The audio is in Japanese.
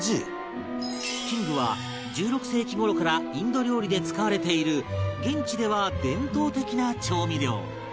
ヒングは１６世紀頃からインド料理で使われている現地では伝統的な調味料